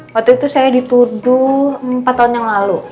waktu itu saya dituduh empat tahun yang lalu